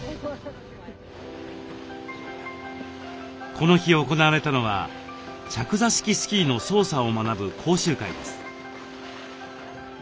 この日行われたのは着座式スキーの操作を学ぶ講習会です。